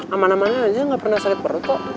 aman aman aja nggak pernah sakit perut kok